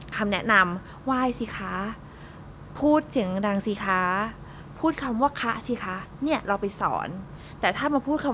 คำแนะนำว่าซิค้าพูดเสียงเราไปส่อนแต่ถ้ามาพูดคำ